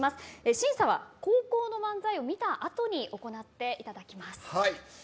審査は後攻の漫才を見た後に行っていただきます。